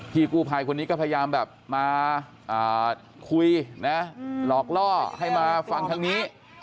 พี่กู้ภัยคนนี้ก็พยายามแบบมาคุยนะหลอกล่อให้มาฟังทางนี้